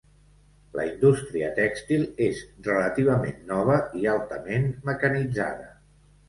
La indústria tèxtil és relativament nova i altament mecanitzada.